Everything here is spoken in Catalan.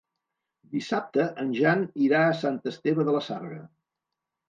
Dissabte en Jan irà a Sant Esteve de la Sarga.